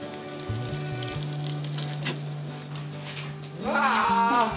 うわ！